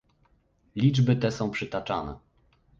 Liczby te są przytaczane